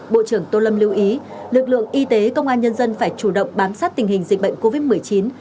bộ trưởng tô lâm lưu ý lực lượng y tế công an nhân dân phải chủ động bám sát tình hình dịch bệnh covid một mươi chín